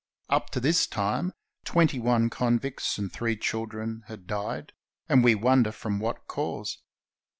Up to this time twenty one convicts and three children had died, and we wonder from what cause.